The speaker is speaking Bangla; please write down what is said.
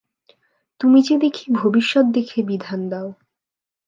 তুমি যে দেখি ভবিষ্যৎ দেখে বিধান দাও।